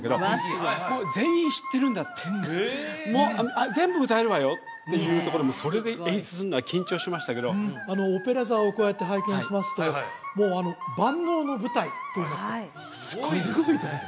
すごいもう全員知ってるんだってもう全部歌えるわよっていうとこでもうそれで演出するのは緊張しましたけどオペラ座をこうやって拝見しますともう万能の舞台といいますかすごい舞台ですね